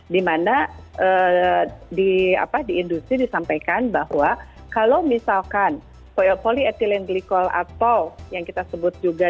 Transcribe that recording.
dimana di industri disampaikan bahwa kalau misalkan polyethylene glycol atau yang kita sebut juga